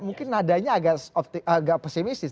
mungkin nadanya agak pesimis